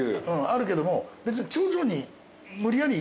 あるけども別に。